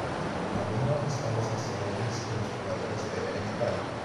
En el camino están los asteroides, que los jugadores deben evitar.